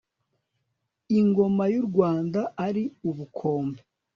ingoma y'u rwanda ari ubukombe